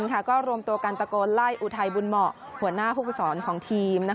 ก็รวมตัวกันตะโกนไล่อุทัยบุญเหมาะหัวหน้าผู้กุศรของทีม